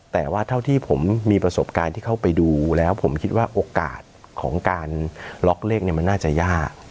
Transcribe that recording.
แต่ว่าเท่าที่ผมมีประสบการณ์ที่เข้าไปดูแล้วผมคิดว่าโอกาสของการล็อกเลขเนี่ยมันน่าจะยาก